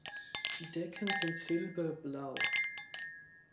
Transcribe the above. Die Decken sind Silber Blau.